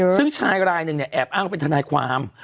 ซึ่งชายรายหนึ่งเนี่ยแอบอ้างว่าเป็นทนายความ